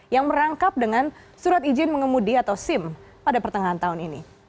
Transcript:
yang merangkap dengan surat izin mengemudi atau sim pada pertengahan tahun ini